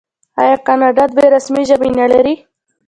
آیا کاناډا دوه رسمي ژبې نلري؟